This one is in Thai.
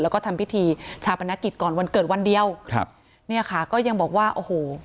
แล้วก็ทำพิธีชาปนกิจก่อนวันเกิดวันเดียวครับเนี่ยค่ะก็ยังบอกว่าโอ้โห